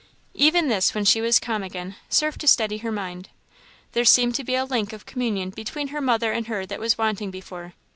Even this, when she was calm again, served to steady her mind. There seemed to be a link of communion between her mother and her that was wanting before.